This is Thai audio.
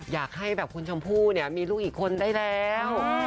อยากให้แบบคุณชมพู่เนี่ยมีลูกอีกคนได้แล้ว